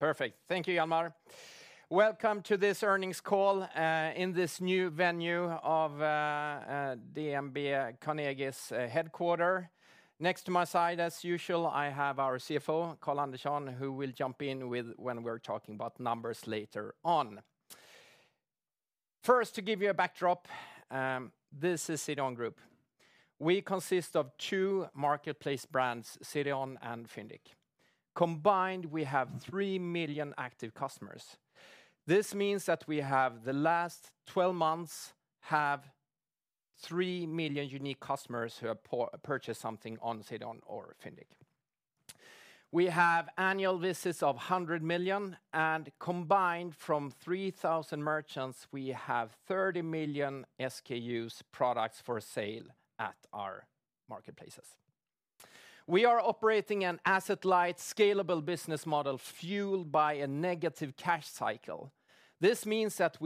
Perfect. Thank you, Yanmar. Welcome to this earnings call in this new venue of DNB Carnegie's headquarters. Next to my side, as usual, I have our CFO, Carl Andersson, who will jump in when we're talking about numbers later on. First, to give you a backdrop, this is CDON Group. We consist of two marketplace brands, CDON and Fyndiq. Combined, we have 3 million active customers. This means that we have, in the last 12 months, 3 million unique customers who have purchased something on CDON or Fyndiq. We have annual visits of 100 million, and combined, from 3,000 merchants, we have 30 million SKUs, products for sale at our marketplaces. We are operating an asset-light, scalable business model fueled by a negative cash cycle. This means that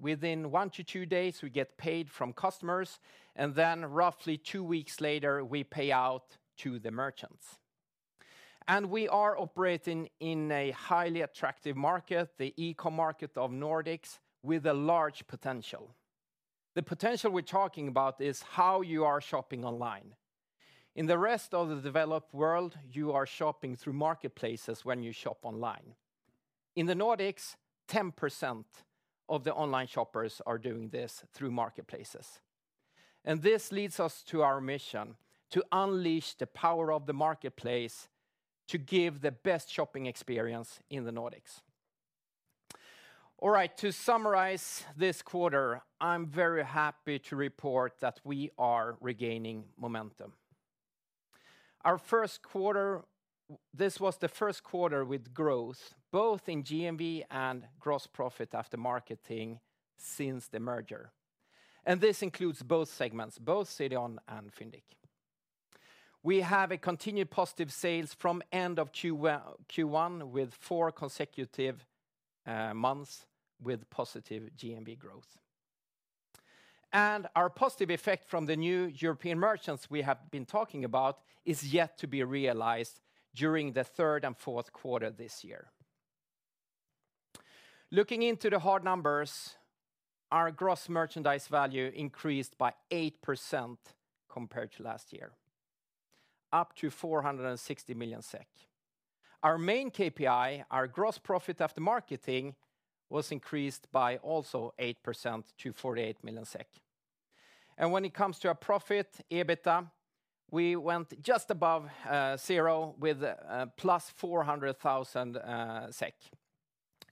within one to two days, we get paid from customers, and then roughly two weeks later, we pay out to the merchants. We are operating in a highly attractive market, the e-commerce market of Nordics, with a large potential. The potential we're talking about is how you are shopping online. In the rest of the developed world, you are shopping through marketplaces when you shop online. In the Nordics, 10% of the online shoppers are doing this through marketplaces. This leads us to our mission: to unleash the power of the marketplace to give the best shopping experience in the Nordics. All right, to summarize this quarter, I'm very happy to report that we are regaining momentum. Our first quarter, this was the first quarter with growth, both in GMV and gross profit after marketing since the merger. This includes both segments, both CDON and Fyndiq. We have continued positive sales from the end of Q1, with four consecutive months with positive GMV growth. Our positive effect from the new European merchants we have been talking about is yet to be realized during the third and fourth quarters this year. Looking into the hard numbers, our gross merchandise value increased by 8% compared to last year, up to 460 million SEK. Our main KPI, our gross profit after marketing, was increased by also 8% to 48 million SEK. When it comes to our profit, EBITDA, we went just above zero, with +400,000 SEK.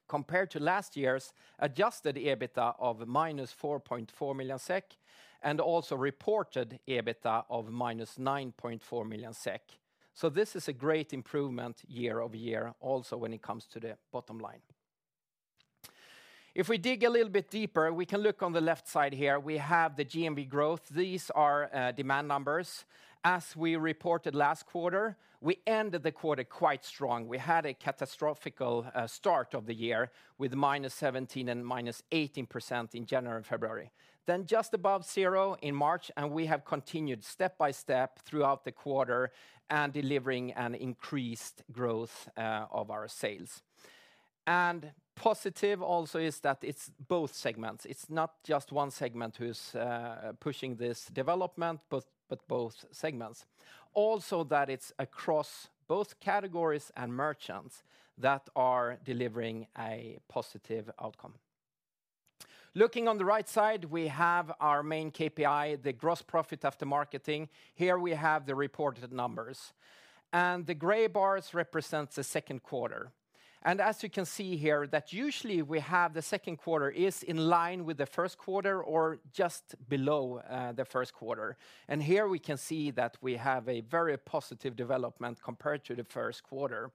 Compared to last year's adjusted EBITDA of -4.4 million SEK and also reported EBITDA of -9.4 million SEK. This is a great improvement year over year, also when it comes to the bottom line. If we dig a little bit deeper, we can look on the left side here. We have the GMV growth. These are demand numbers. As we reported last quarter, we ended the quarter quite strong. We had a catastrophic start of the year with -17% and -18% in January and February. Then just above zero in March, and we have continued step by step throughout the quarter and delivering an increased growth of our sales. Also positive is that it's both segments. It's not just one segment who's pushing this development, but both segments. Also, that it's across both categories and merchants that are delivering a positive outcome. Looking on the right side, we have our main KPI, the gross profit after marketing. Here we have the reported numbers. The gray bars represent the second quarter. As you can see here, usually we have the second quarter in line with the first quarter or just below the first quarter. Here we can see that we have a very positive development compared to the first quarter.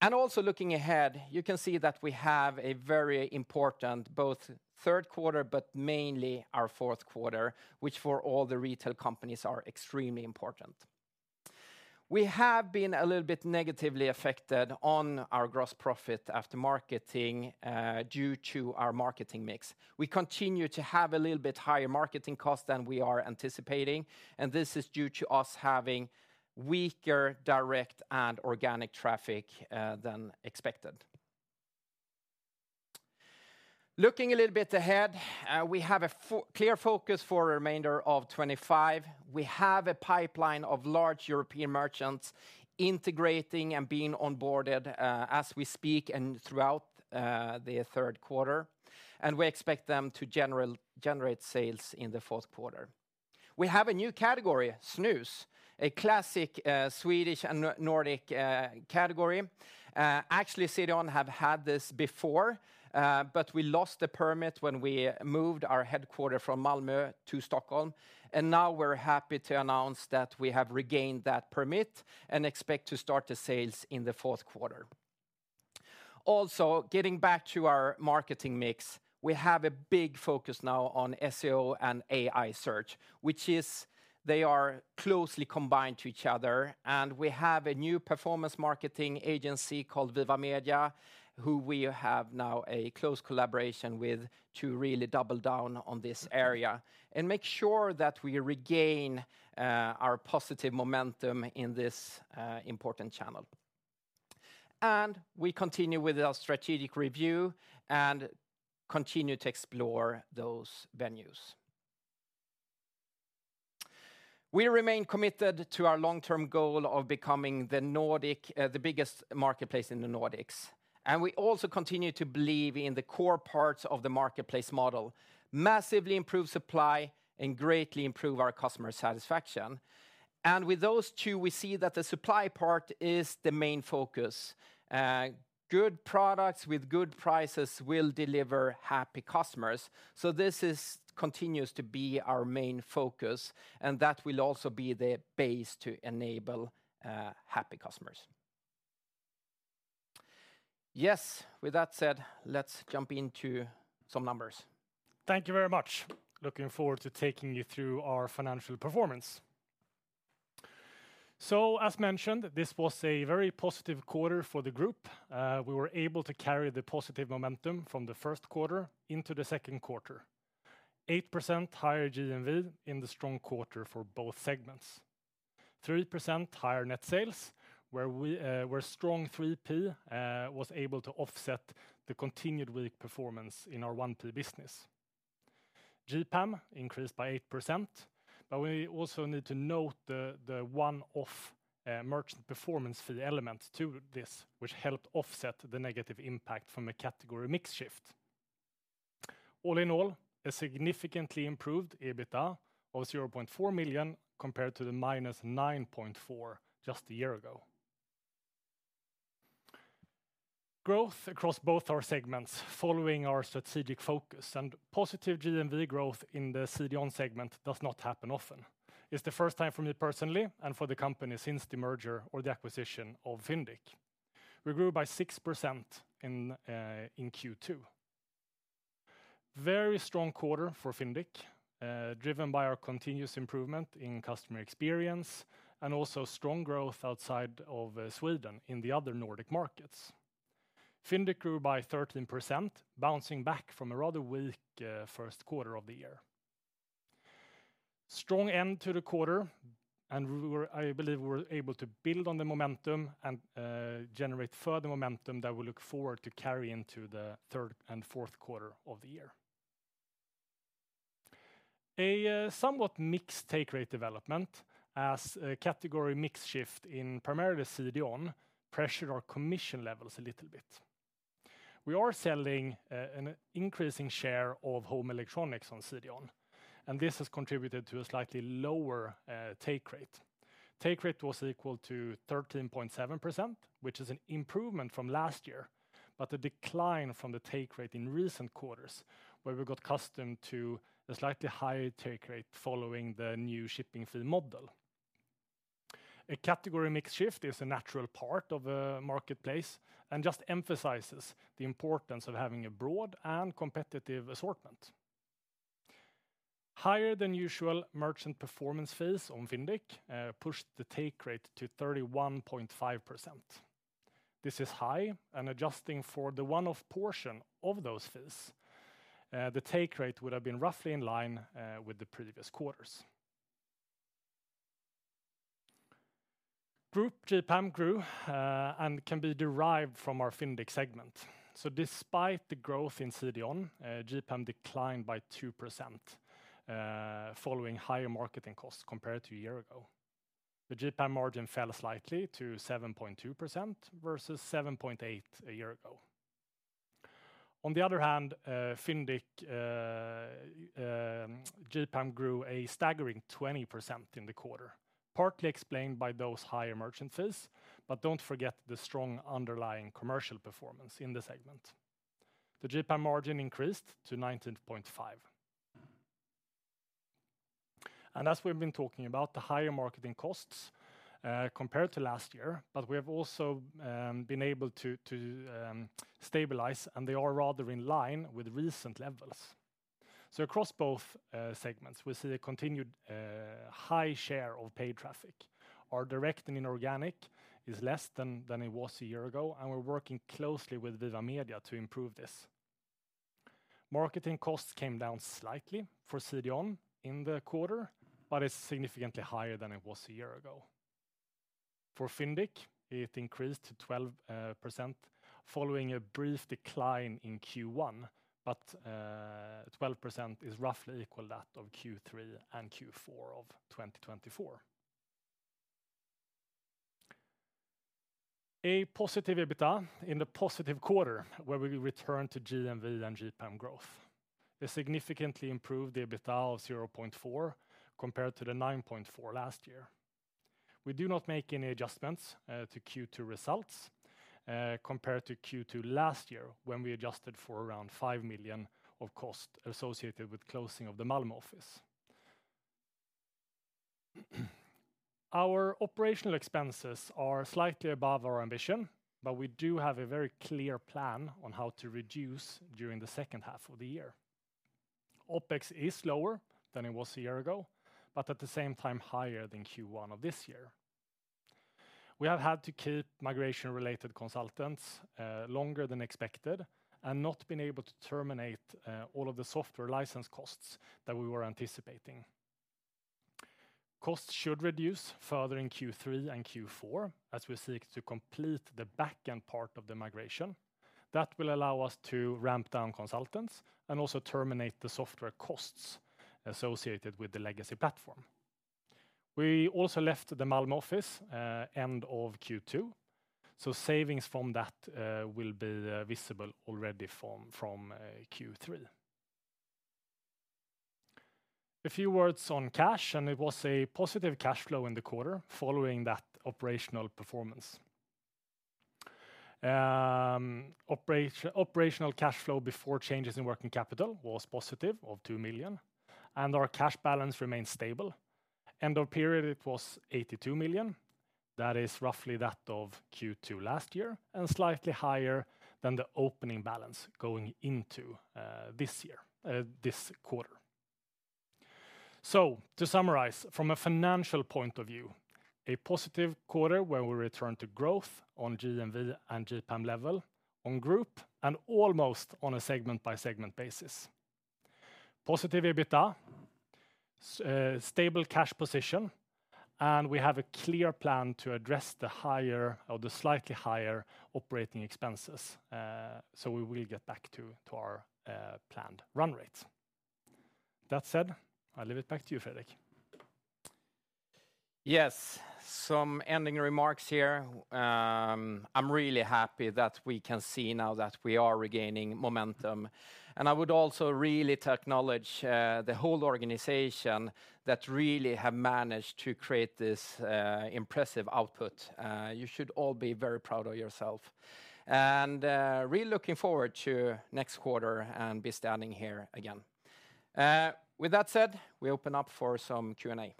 Also looking ahead, you can see that we have a very important both third quarter, but mainly our fourth quarter, which for all the retail companies is extremely important. We have been a little bit negatively affected on our gross profit after marketing due to our marketing mix. We continue to have a little bit higher marketing costs than we are anticipating, and this is due to us having weaker direct and organic traffic than expected. Looking a little bit ahead, we have a clear focus for the remainder of 2025. We have a pipeline of large European merchants integrating and being onboarded as we speak and throughout the third quarter, and we expect them to generate sales in the fourth quarter. We have a new category, snus, a classic Swedish and Nordic category. Actually, CDON has had this before, but we lost the permit when we moved our headquarters from Malmö to Stockholm. Now we're happy to announce that we have regained that permit and expect to start the sales in the fourth quarter. Also, getting back to our marketing mix, we have a big focus now on SEO and AI-driven search, which are closely combined with each other. We have a new performance marketing agency called Viva Media, who we have now a close collaboration with to really double down on this area and make sure that we regain our positive momentum in this important channel. We continue with our strategic review and continue to explore those venues. We remain committed to our long-term goal of becoming the biggest marketplace in the Nordics. We also continue to believe in the core parts of the marketplace model: massively improve supply and greatly improve our customer satisfaction. With those two, we see that the supply part is the main focus. Good products with good prices will deliver happy customers. This continues to be our main focus, and that will also be the base to enable happy customers. Yes, with that said, let's jump into some numbers. Thank you very much. Looking forward to taking you through our financial performance. As mentioned, this was a very positive quarter for the group. We were able to carry the positive momentum from the first quarter into the second quarter. 8% higher GMV in the strong quarter for both segments. 3% higher net sales, where strong 3P was able to offset the continued weak performance in our 1P business. GPAM increased by 8%, but we also need to note the one-off merchant performance fee element to this, which helped offset the negative impact from a category mix shift. All in all, a significantly improved EBITDA of $0.4 million compared to the minus $9.4 million just a year ago. Growth across both our segments following our strategic focus and positive GMV growth in the CDON segment does not happen often. It's the first time for me personally and for the company since the merger or the acquisition of Fyndiq. We grew by 6% in Q2. Very strong quarter for Fyndiq, driven by our continuous improvement in customer experience and also strong growth outside of Sweden in the other Nordic markets. Fyndiq grew by 13%, bouncing back from a rather weak first quarter of the year. Strong end to the quarter, and I believe we were able to build on the momentum and generate further momentum that we look forward to carrying into the third and fourth quarter of the year. A somewhat mixed take rate development as a category mix shift in primarily CDON pressured our commission levels a little bit. We are selling an increasing share of home electronics on CDON, and this has contributed to a slightly lower take rate. Take rate was equal to 13.7%, which is an improvement from last year, but a decline from the take rate in recent quarters where we got accustomed to a slightly higher take rate following the new shipping fee model. A category mix shift is a natural part of the market place and just emphasizes the importance of having a broad and competitive assortment. Higher than usual merchant performances on Fyndiq pushed the take rate to 31.5%. This is high and adjusting for the one of portion of those fills, the take rate would have been roughly in line with the previous quarters. Group GPAM grew and can be derived from our Fyndiq segment. So despite the growth in CDON, GPAM declined by 2% following higher marketing costs compared to a year ago. The GPAM margin fell slightly to 7.2% versus 7.8% a year ago. On the other hand, Fyndiq GPAM grew a staggering 20% in the quarter, partly explained by those higher merchant fees, but don't forget the strong underlying commercial performance in the segment. The GPAM margin increased to 19.5%. As we've been talking about, the higher marketing costs compared to last year, we have also been able to stabilize, and they are rather in line with recent levels. Across both segments, we see a continued high share of paid traffic. Our direct and organic is less than it was a year ago, and we're working closely with Viva Media to improve this. Marketing costs came down slightly for CDON in the quarter, but it's significantly higher than it was a year ago. For Fyndiq, it increased to 12% following a brief decline in Q1, but 12% is roughly equal to that of Q3 and Q4 of 2024. A positive EBITDA in the positive quarter where we return to GMV and GPAM growth. A significantly improved EBITDA of 0.4% compared to the 9.4% last year. We do not make any adjustments to Q2 results compared to Q2 last year when we adjusted for around $5 million of costs associated with closing of the Malmö office. Our operational expenses are slightly above our ambition, but we do have a very clear plan on how to reduce during the second half of the year. OpEx is lower than it was a year ago, but at the same time, higher than Q1 of this year. We have had to keep migration-related consultants longer than expected and not been able to terminate all of the software license costs that we were anticipating. Costs should reduce further in Q3 and Q4 as we seek to complete the backend part of the migration. That will allow us to ramp down consultants and also terminate the software costs associated with the legacy platform. We also left the Malmö office end of Q2, so savings from that will be visible already from Q3. A few words on cash, and it was a positive cash flow in the quarter following that operational performance. Operational cash flow before changes in working capital was positive of $2 million, and our cash balance remains stable. End of period, it was $82 million. That is roughly that of Q2 last year and slightly higher than the opening balance going into this quarter. To summarize, from a financial point of view, a positive quarter where we return to growth on GMV and GPAM level on group and almost on a segment-by-segment basis. Positive EBITDA, stable cash position, and we have a clear plan to address the slightly higher operating expenses, so we will get back to our planned run rates. That said, I leave it back to you, Fredrik. Yes, some ending remarks here. I'm really happy that we can see now that we are regaining momentum. I would also really acknowledge the whole organization that really has managed to create this impressive output. You should all be very proud of yourself. I'm really looking forward to next quarter and be standing here again. With that said, we open up for some Q&A.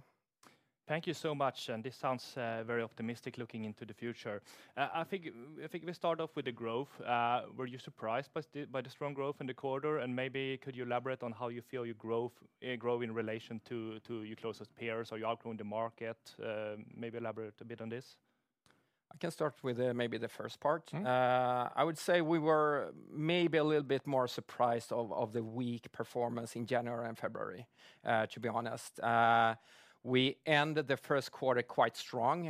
Thank you so much. This sounds very optimistic looking into the future. I think we start off with the growth. Were you surprised by the strong growth in the quarter? Could you elaborate on how you feel your growth in relation to your closest peers or your outgoing market? Maybe elaborate a bit on this. I can start with maybe the first part. I would say we were maybe a little bit more surprised of the weak performance in January and February, to be honest. We ended the first quarter quite strong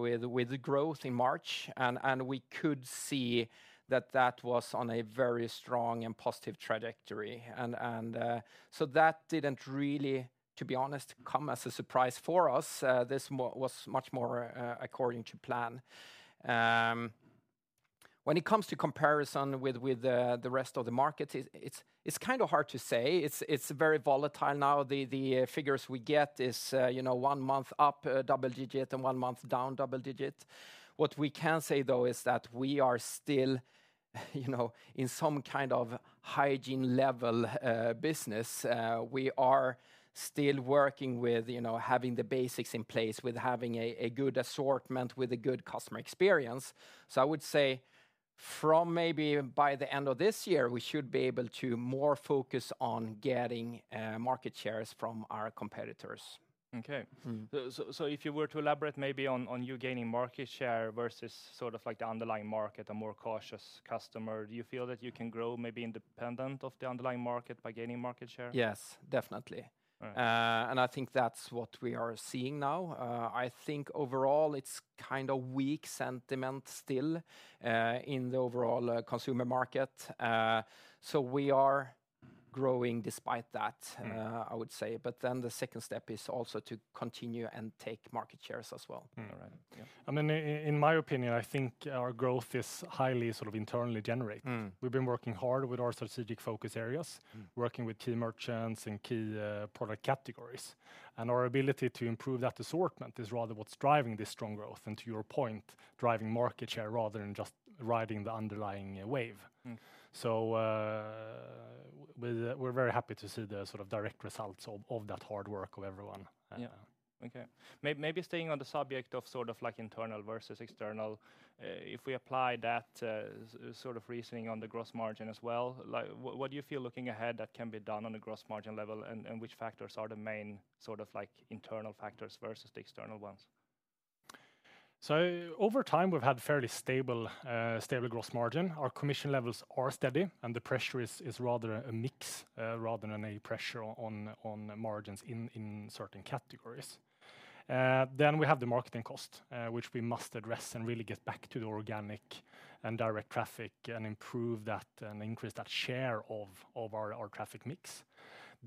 with growth in March, and we could see that that was on a very strong and positive trajectory. That didn't really, to be honest, come as a surprise for us. This was much more according to plan. When it comes to comparison with the rest of the markets, it's kind of hard to say. It's very volatile now. The figures we get is one month up double digit and one month down double digit. What we can say, though, is that we are still in some kind of hygiene level business. We are still working with having the basics in place, with having a good assortment, with a good customer experience. I would say from maybe by the end of this year, we should be able to more focus on getting market shares from our competitors. If you were to elaborate maybe on you gaining market share versus sort of like the underlying market, a more cautious customer, do you feel that you can grow maybe independent of the underlying market by gaining market share? Yes, definitely. I think that's what we are seeing now. I think overall it's kind of weak sentiment still in the overall consumer market. We are growing despite that, I would say. The second step is also to continue and take market shares as well. All right. In my opinion, I think our growth is highly sort of internally generated. We've been working hard with our strategic focus areas, working with key merchants and key product categories. Our ability to improve that assortment is rather what's driving this strong growth. To your point, driving market share rather than just riding the underlying wave. We're very happy to see the sort of direct results of that hard work of everyone. Okay. Maybe staying on the subject of sort of like internal versus external, if we apply that sort of reasoning on the gross margin as well, what do you feel looking ahead that can be done on the gross margin level, and which factors are the main sort of like internal factors versus the external ones? Over time, we've had a fairly stable gross margin. Our commission levels are steady, and the pressure is rather a mix rather than a pressure on margins in certain categories. We have the marketing cost, which we must address and really get back to the organic and direct traffic and improve that and increase that share of our traffic mix.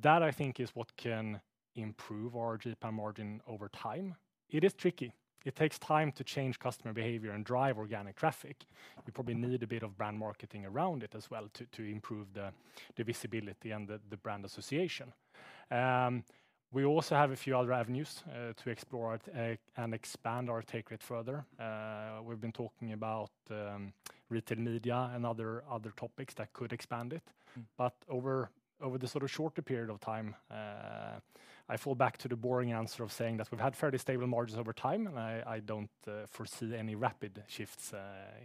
That, I think, is what can improve our GPAM margin over time. It is tricky. It takes time to change customer behavior and drive organic traffic. We probably need a bit of brand marketing around it as well to improve the visibility and the brand association. We also have a few other avenues to explore and expand our take rate further. We've been talking about retail media and other topics that could expand it. Over the shorter period of time, I fall back to the boring answer of saying that we've had fairly stable margins over time, and I don't foresee any rapid shifts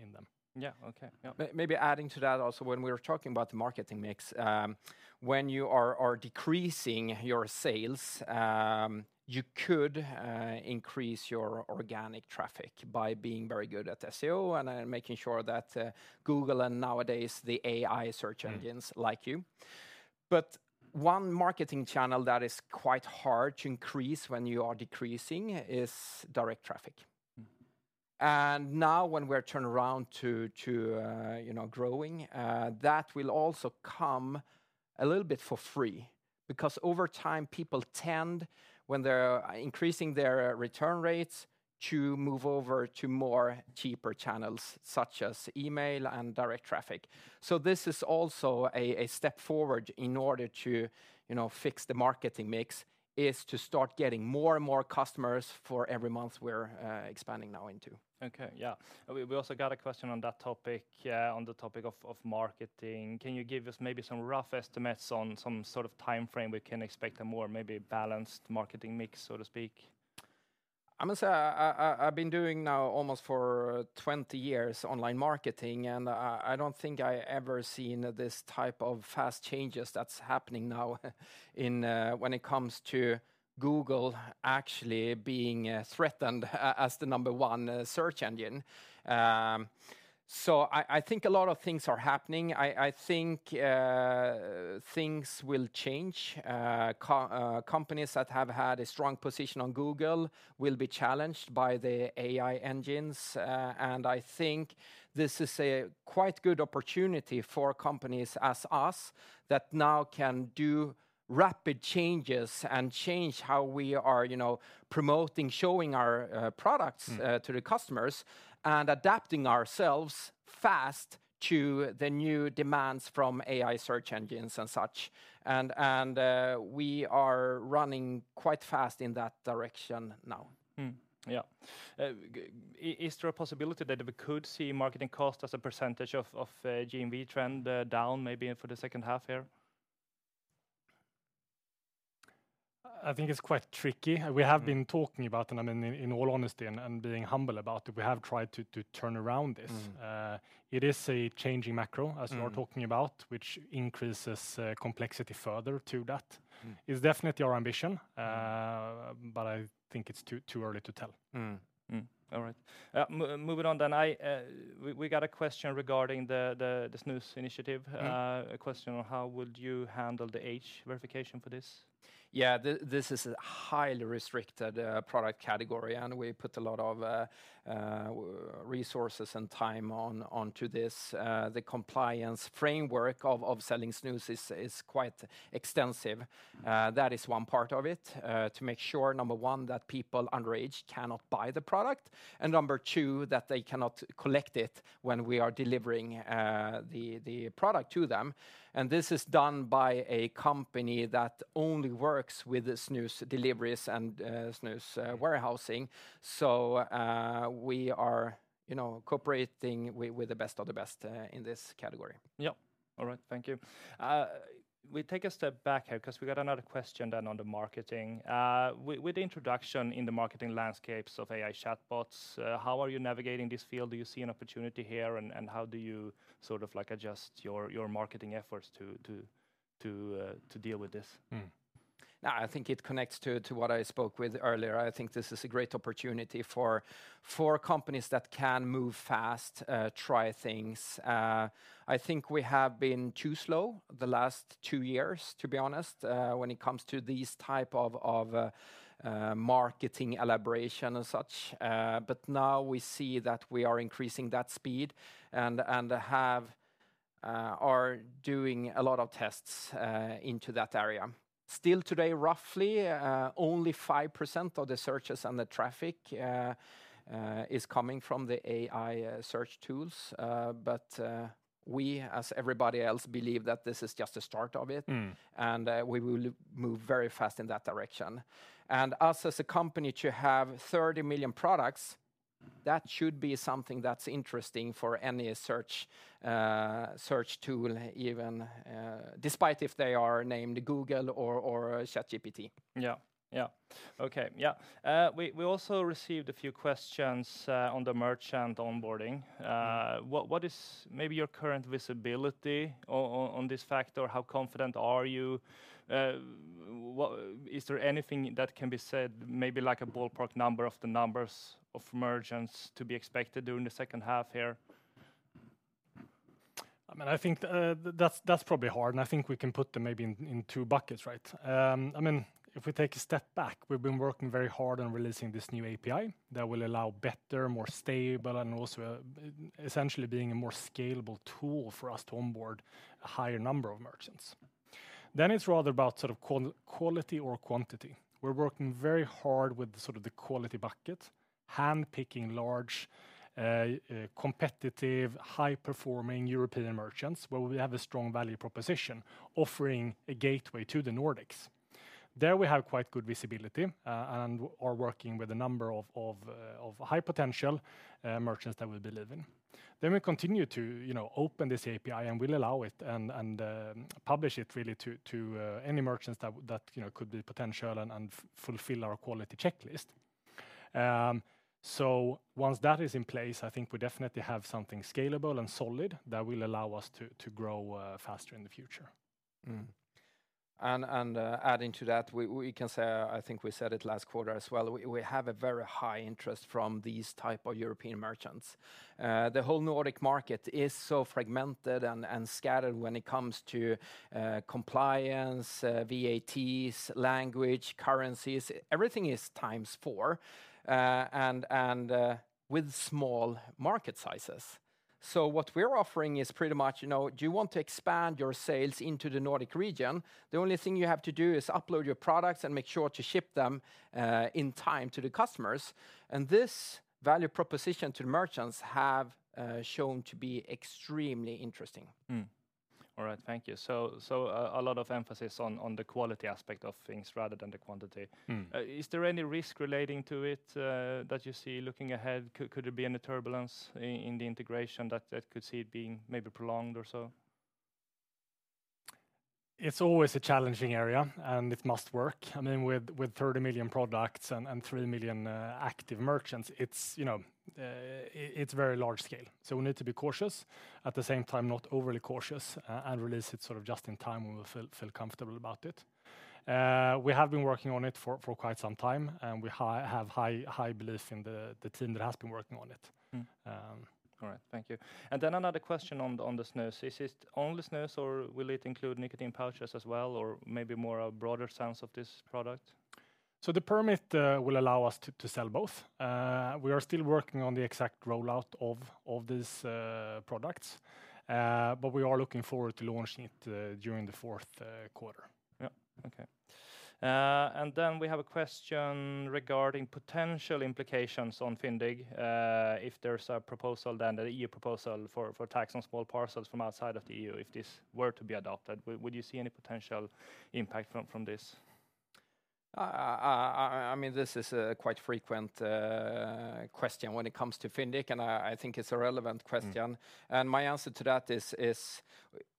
in them. Yeah, okay. Maybe adding to that also, when we were talking about the marketing mix, when you are decreasing your sales, you could increase your organic traffic by being very good at SEO and making sure that Google and nowadays the AI-driven search engines like you. One marketing channel that is quite hard to increase when you are decreasing is direct traffic. Now when we've turned around to growing, that will also come a little bit for free because over time people tend, when they're increasing their return rates, to move over to more cheaper channels such as email and direct traffic. This is also a step forward in order to fix the marketing mix, to start getting more and more customers for every month we're expanding now into. Okay, yeah. We also got a question on that topic, on the topic of marketing. Can you give us maybe some rough estimates on some sort of timeframe we can expect a more maybe balanced marketing mix, so to speak? I'm going to say I've been doing now almost for 20 years online marketing, and I don't think I've ever seen this type of fast changes that's happening now when it comes to Google actually being threatened as the number one search engine. I think a lot of things are happening. I think things will change. Companies that have had a strong position on Google will be challenged by the AI engines. I think this is a quite good opportunity for companies as us that now can do rapid changes and change how we are promoting, showing our products to the customers, and adapting ourselves fast to the new demands from AI search engines and such. We are running quite fast in that direction now. Yeah, is there a possibility that we could see marketing cost as a percentage of GMV trend down maybe for the second half here? I think it's quite tricky. We have been talking about it, and I mean, in all honesty and being humble about it, we have tried to turn around this. It is a changing macro, as we were talking about, which increases complexity. Further to that, it's definitely our ambition, but I think it's too early to tell. All right. Moving on, we got a question regarding the snus initiative. A question on how would you handle the age verification for this? Yeah, this is a highly restricted product category, and we put a lot of resources and time onto this. The compliance framework of selling snus is quite extensive. That is one part of it to make sure, number one, that people underage cannot buy the product, and number two, that they cannot collect it when we are delivering the product to them. This is done by a company that only works with snus deliveries and snus warehousing. We are cooperating with the best of the best in this category. All right. Thank you. We take a step back here because we got another question on the marketing. With the introduction in the marketing landscape of AI chatbots, how are you navigating this field? Do you see an opportunity here, and how do you sort of like adjust your marketing efforts to deal with this? No, I think it connects to what I spoke with earlier. I think this is a great opportunity for companies that can move fast, try things. I think we have been too slow the last two years, to be honest, when it comes to these types of marketing elaborations and such. Now we see that we are increasing that speed and are doing a lot of tests into that area. Still today, roughly only 5% of the searches and the traffic is coming from the AI search tools. We, as everybody else, believe that this is just a start of it and we will move very fast in that direction. Us as a company to have 30 million products, that should be something that's interesting for any search tool even, despite if they are named Google or ChatGPT. Okay. We also received a few questions on the merchant onboarding. What is maybe your current visibility on this factor? How confident are you? Is there anything that can be said, maybe like a ballpark number of the numbers of merchants to be expected during the second half here? I think that's probably hard, and I think we can put them maybe in two buckets, right? If we take a step back, we've been working very hard on releasing this new API that will allow better, more stable, and also essentially being a more scalable tool for us to onboard a higher number of merchants. It's rather about sort of quality or quantity. We're working very hard with the quality bucket, handpicking large, competitive, high-performing European merchants where we have a strong value proposition offering a gateway to the Nordics. There we have quite good visibility and are working with a number of high-potential merchants that we believe in. We continue to open this API and will allow it and publish it really to any merchants that could be potential and fulfill our quality checklist. Once that is in place, I think we definitely have something scalable and solid that will allow us to grow faster in the future. Adding to that, I think we said it last quarter as well, we have a very high interest from these types of European merchants. The whole Nordic market is so fragmented and scattered when it comes to compliance, VATs, language, currencies, everything is times four and with small market sizes. What we're offering is pretty much, you know, do you want to expand your sales into the Nordic region? The only thing you have to do is upload your products and make sure to ship them in time to the customers. This value proposition to the merchants has shown to be extremely interesting. All right, thank you. A lot of emphasis on the quality aspect of things rather than the quantity. Is there any risk relating to it that you see looking ahead? Could there be any turbulence in the integration that could see it being maybe prolonged or so? It's always a challenging area and it must work. I mean, with 30 million products and 3 million active merchants, it's very large scale. We need to be cautious, at the same time not overly cautious, and release it just in time when we feel comfortable about it. We have been working on it for quite some time and we have high belief in the team that has been working on it. All right, thank you. Another question on the snus. Is it only snus or will it include nicotine pouches as well or maybe more a broader sense of this product? The permit will allow us to sell both. We are still working on the exact rollout of these products, but we are looking forward to launching it during the fourth quarter. Okay. We have a question regarding potential implications on Fyndiq if there's a proposal, an EU proposal for tax on small parcels from outside of the EU. If this were to be adopted, would you see any potential impact from this? I mean, this is a quite frequent question when it comes to Fyndiq and I think it's a relevant question. My answer to that is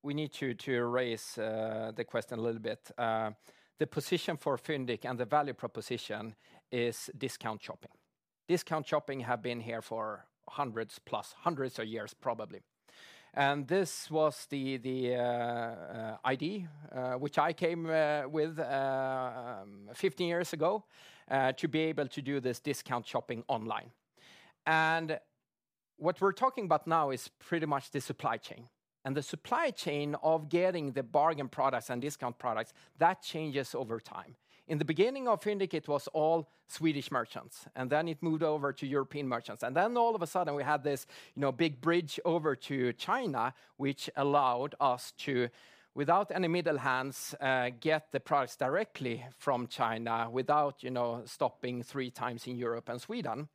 we need to raise the question a little bit. The position for Fyndiq and the value proposition is discount shopping. Discount shopping has been here for hundreds plus hundreds of years probably. This was the idea which I came with 15 years ago to be able to do this discount shopping online. What we're talking about now is pretty much the supply chain. The supply chain of getting the bargain products and discount products, that changes over time. In the beginning of Fyndiq, it was all Swedish merchants and then it moved over to European merchants. All of a sudden we had this big bridge over to China, which allowed us to, without any middle hands, get the products directly from China without stopping three times in Europe and Sweden.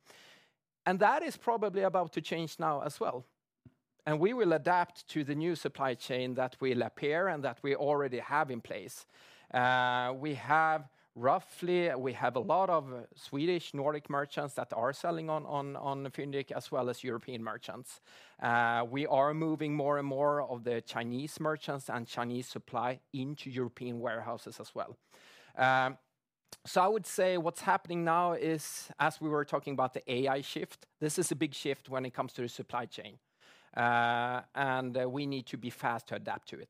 That is probably about to change now as well. We will adapt to the new supply chain that will appear and that we already have in place. We have roughly, we have a lot of Swedish Nordic merchants that are selling on Fyndiq as well as European merchants. We are moving more and more of the Chinese merchants and Chinese supply into European warehouses as well. I would say what's happening now is, as we were talking about the AI shift, this is a big shift when it comes to the supply chain. We need to be fast to adapt to it.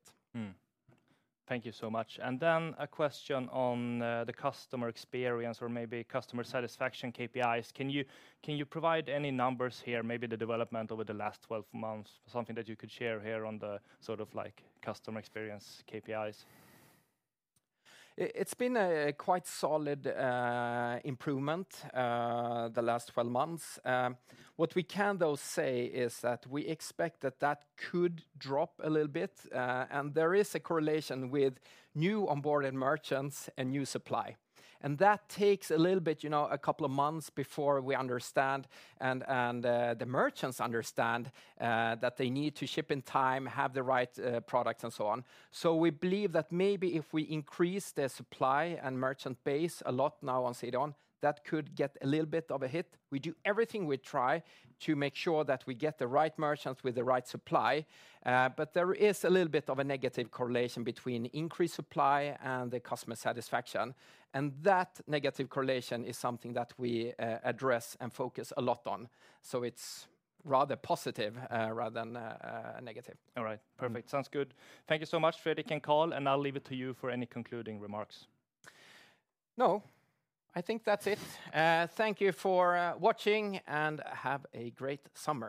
Thank you so much. A question on the customer experience or maybe customer satisfaction KPIs. Can you provide any numbers here, maybe the development over the last 12 months, something that you could share here on the sort of like customer experience KPIs? It's been a quite solid improvement the last 12 months. What we can though say is that we expect that that could drop a little bit. There is a correlation with new onboarding merchants and new supply, and that takes a little bit, you know, a couple of months before we understand and the merchants understand that they need to ship in time, have the right products and so on. We believe that maybe if we increase the supply and merchant base a lot now on CDON, that could get a little bit of a hit. We do everything we try to make sure that we get the right merchants with the right supply. There is a little bit of a negative correlation between increased supply and the customer satisfaction, and that negative correlation is something that we address and focus a lot on. It's rather positive rather than negative. All right, perfect. Sounds good. Thank you so much, Fredrik and Carl, and I'll leave it to you for any concluding remarks. No, I think that's it. Thank you for watching and have a great summer.